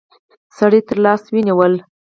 سړي تر لاس ونيوله.